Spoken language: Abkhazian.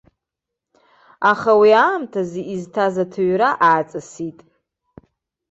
Аха уи аамҭазы изҭаз аҭыҩра ааҵысит.